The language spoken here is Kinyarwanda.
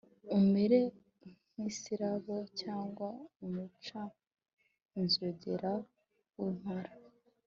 Umere nk’isirabo cyangwa umucanzogera w’impara